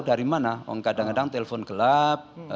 dari mana kadang kadang telpon gelap